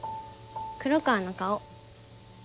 黒川の顔。